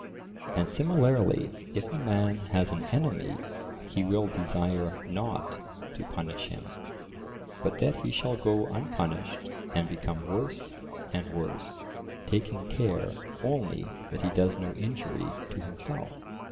And similarly if a man has an enemy, he will desire not to punish him, but that he shall go unpunished and become worse and worse, taking care only that he does no injury to himself.